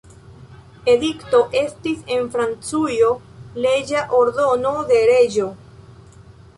Edikto estis en Francujo leĝa ordono de reĝo.